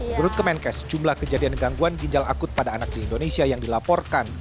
menurut kemenkes jumlah kejadian gangguan ginjal akut pada anak di indonesia yang dilaporkan